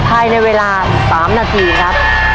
ภายในเวลา๓นาทีครับ